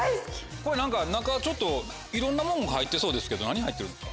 これ中いろんなもんが入ってそうですけど何入ってるんですか？